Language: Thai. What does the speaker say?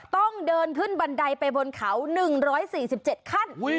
ต้องเดินขึ้นบันไดไปบนเขา๑๔๗ขั้น